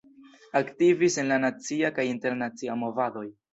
Aktivis en la nacia kaj internacia movadoj.